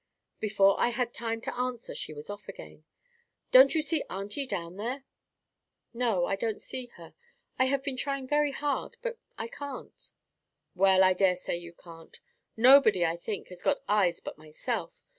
Before I had time to answer, she was off again. "Don't you see auntie down there?" "No, I don't see her. I have been trying very hard, but I can't." "Well, I daresay you can't. Nobody, I think, has got eyes but myself.